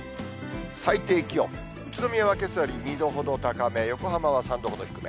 最低気温、宇都宮はけさより２度ほど高め、横浜は３度ほど低め。